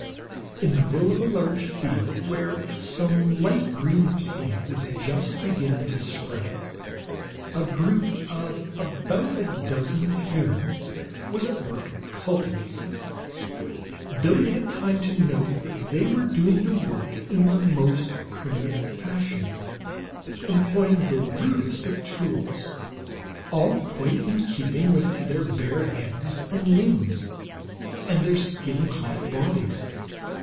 In the middle of a large field, where some light green plant was just beginning to sprout, a group of about a dozen humans was at work cultivating. Billie had time to note that they were doing the work in the most primitive fashion, employing the rudest of tools, all quite in keeping with their bare heads and limbs and their skin clad bodies.